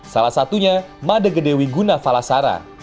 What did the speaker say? salah satunya made gedewi guna falasara